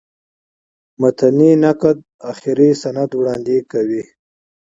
متني نقد آخري سند وړاندي کوي.